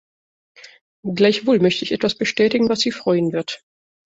Gleichwohl möchte ich etwas bestätigen, was Sie freuen wird.